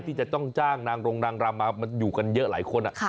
ที่จะต้องจ้างนางรงนางรำมาอยู่กันเยอะหลายคน